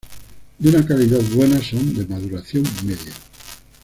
De una calidad buena, son de maduración media.